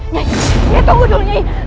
nyai nyai tunggu dulu nyai